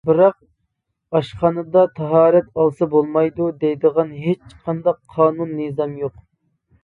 بىراق، ئاشخانىدا تاھارەت ئالسا بولمايدۇ دەيدىغان ھېچقانداق قانۇن-نىزام يوق.